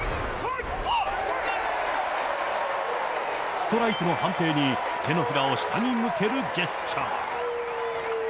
ストライクの判定に、手のひらを下に向けるジェスチャー。